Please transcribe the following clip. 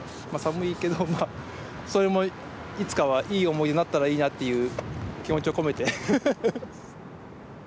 寒いけどまあそれもいつかはいい思い出になったらいいなっていう気持ちを込めて。